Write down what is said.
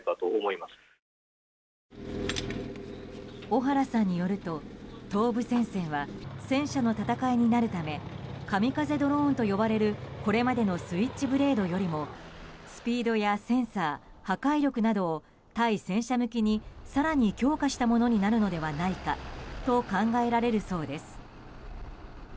小原さんによると東部戦線は戦車の戦いになるため神風ドローンと呼ばれるこれまでのスイッチブレードよりもスピードやセンサー破壊力などを対戦車向けに更に強化したものになるのではないかと考えられるそうです。